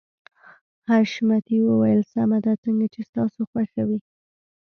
حشمتي وويل سمه ده څنګه چې ستاسو خوښه وي.